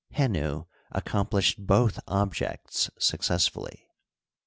Henu ac complished both objects successfully.